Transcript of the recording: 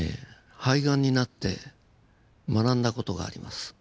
肺ガンになって学んだ事があります。